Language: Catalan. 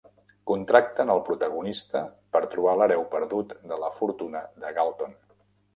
Contracten el protagonista per trobar l'hereu perdut de la fortuna de Galton.